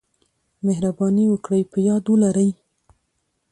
مهرباني وکړئ په یاد ولرئ: